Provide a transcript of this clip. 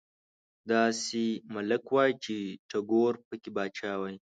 داسې ملک وای چې ټيګور پکې پاچا وای